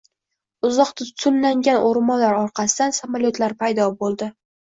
Uzoqda tutunlangan o`rmonlar orqasidan samolyotlar paydo bo`ldi